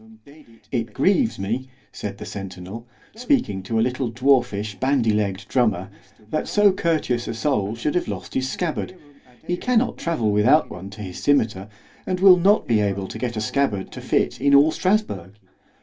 It grieves, me, said the centinel, speaking to a little dwarfish bandy legg'd drummer, that so courteous a soul should have lost his scabbard——he cannot travel without one to his scymetar, and will not be able to get a scabbard to fit it in all _Strasburg.